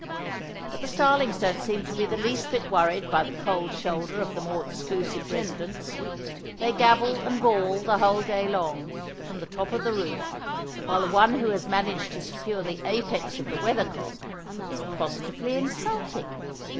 But the starlings don't seem to be the least bit worried by the cold shoulder of the more exclusive residents; they gabble and bawl the whole day long, from the top of the roof, while the one who has managed to secure the apex of the weathercock is positively insulting.